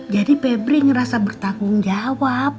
jadi febri ngerasa bertanggung jawab